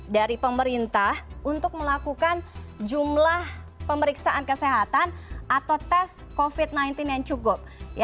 dari pemerintah untuk melakukan jumlah pemeriksaan kesehatan atau tes covid sembilan belas yang cukup